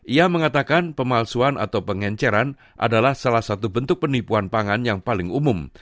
ia mengatakan pemalsuan atau pengenceran adalah salah satu bentuk penipuan pangan yang paling umum